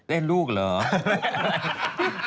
เอ๊ะลูกเหรอ